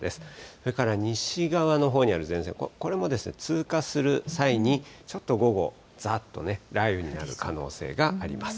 それから西側のほうにある前線、これもですね、通過する際に、ちょっと午後、ざーっとね、雷雨になる可能性があります。